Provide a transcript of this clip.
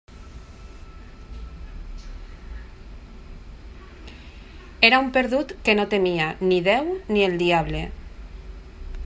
Era un perdut que no temia ni Déu ni el diable.